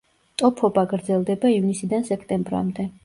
ტოფობა გრძელდება ივნისიდან სექტემბრამდე.